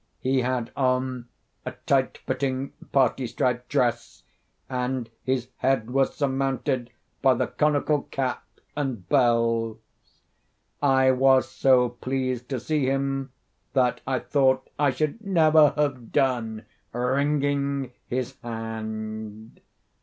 He had on a tight fitting parti striped dress, and his head was surmounted by the conical cap and bells. I was so pleased to see him, that I thought I should never have done wringing his hand.